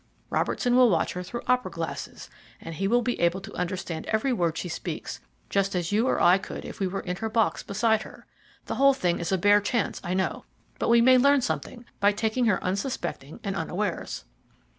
Robertson will watch her through opera glasses, and he will be able to understand every word she speaks, just as you or I could if we were in her box beside her. The whole thing is a bare chance, I know, but we may learn something by taking her unsuspecting and unawares."